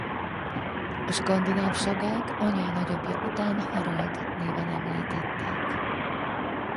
A skandináv sagák anyai nagyapja után Harald néven említették.